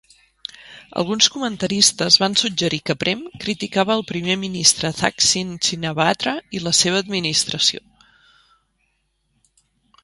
Alguns comentaristes van suggerir que Prem criticava el primer ministre Thaksin Shinawatra i la seva administració.